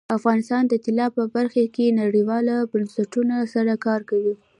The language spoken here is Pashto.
افغانستان د طلا په برخه کې نړیوالو بنسټونو سره کار کوي.